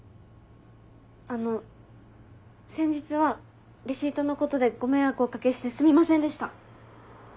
あの先日はレシートのことでご迷惑をお掛けしてすみませんでした。